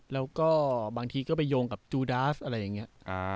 แล้วก็บางทีก็ไปโยงกับจูดาสอะไรอย่างนี้